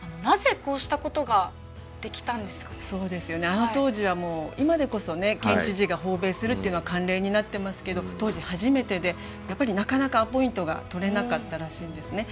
あの当時は今でこそ県知事が訪米するっていうのは慣例になってますけど当時初めてでやっぱりなかなかアポイントが取れなかったらしいんですね。